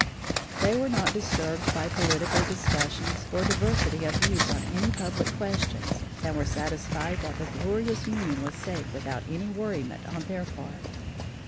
They were not disturbed by political discussions or diversity of views on any public questions and were satisfied that the glorious Union was safe without any worriment on their part.